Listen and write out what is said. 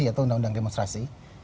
yaitu undang undang demonstrasi